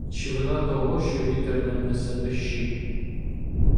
Чи вина того, що вітер нам несе дощі?